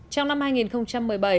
trong năm hai nghìn một mươi bảy